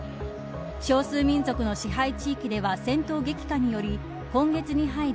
少数民族の支配地域では戦闘激化により、今月に入り